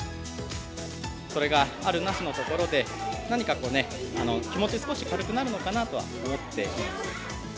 それがあるなしのところで、何かこうね、気持ち、少し軽くなるのかなとは思っています。